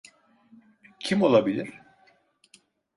Kim olabilir?